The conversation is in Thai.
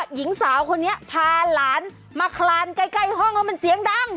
หญิงสาวคนนี้พาหลานมาคลานใกล้ห้องแล้วมันเสียงดัง